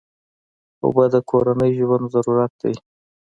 اوبه د کورنۍ ژوند ضرورت دی.